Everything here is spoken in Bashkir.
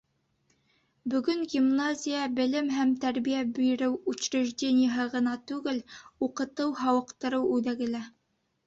Бөгөн гимназия — белем һәм тәрбиә биреү учреждениеһы ғына түгел, уҡытыу-һауыҡтырыу үҙәге лә.